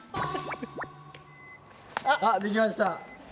あできました。